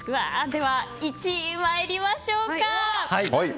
では、１位に参りましょうか。